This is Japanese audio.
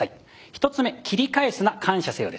１つ目「切り返すな。感謝せよ」です。